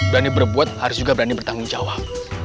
berani berbuat harus juga berani bertanggung jawab